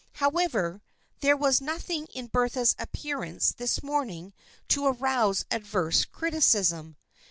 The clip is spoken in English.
However, there was nothing in Bertha's appearance this morning to arouse adverse criticism.